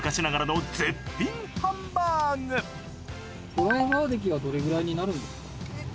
ドライバー歴はどれくらいになるんですか？